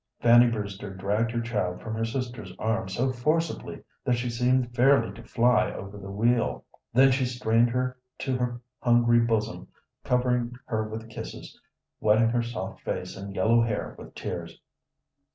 Fanny Brewster dragged her child from her sister's arms so forcibly that she seemed fairly to fly over the wheel. Then she strained her to her hungry bosom, covering her with kisses, wetting her soft face and yellow hair with tears.